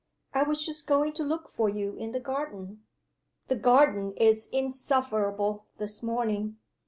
I was just going to look for you in the garden." "The garden is insufferable, this morning."